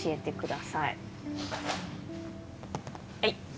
はい。